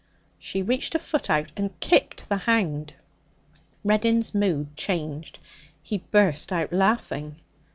She reached a foot out and kicked the hound. Reddin's mood changed. He burst out laughing.